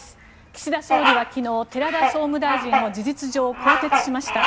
岸田総理は昨日寺田総務大臣を事実上更迭しました。